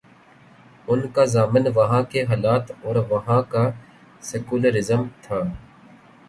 ان کا ضامن وہاں کے حالات اور وہاں کا سیکولر ازم تھا۔